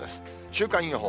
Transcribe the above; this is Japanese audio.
週間予報。